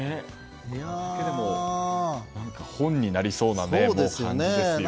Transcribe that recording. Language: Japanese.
本になりそうな感じですよね。